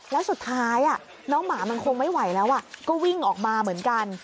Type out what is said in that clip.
แล้วสุดท้ายน้องหมามันคงไม่ไหวแล้วก็วิ่งออกมาเหมือนกัน